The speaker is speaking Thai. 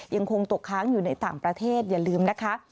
ยังคงตกค้างอยู่ในต่างประเทศอย่าลืมนะคะ